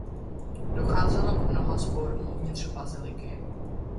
Docházelo k mnoha sporům uvnitř baziliky.